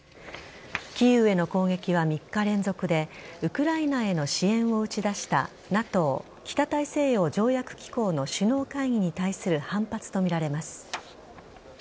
キーウへの攻撃は３日連続でウクライナへの支援を打ち出したＮＡＴＯ＝北大西洋条約機構の首脳会議に対する反発とみられます。